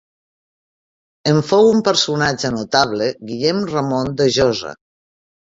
En fou un personatge notable Guillem Ramon de Josa.